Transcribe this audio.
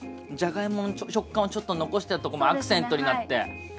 じゃがいもの食感をちょっと残してるとこもアクセントになって。